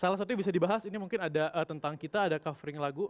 salah satu yang bisa dibahas ini mungkin ada tentang kita ada covering lagu